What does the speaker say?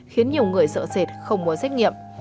khiến nhiều người sợ sệt không muốn xét nghiệm